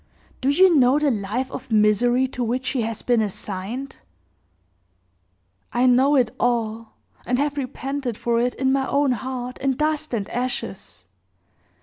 Do you know the life of misery to which she has been assigned?" "I know it all, and have repented for it in my own heart, in dust and ashes!